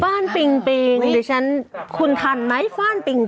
ฟานปิ่งเดี๋ยวฉันคุณทันไหมฟานปิ่ง